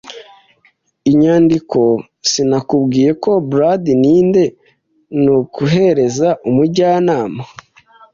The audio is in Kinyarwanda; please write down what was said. Inyandiko - Sinakubwiye ko Blandly, ninde, nukuhereza umujyanama